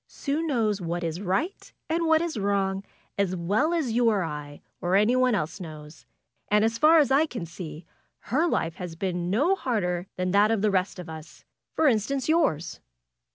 '^Sue knows what is right and what is wrong, as well as you or I, or anyone else knows. And as far as I can see her life has been no harder than that of the rest of us ; for instance yours.